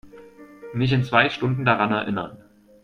Mich in zwei Stunden daran erinnern.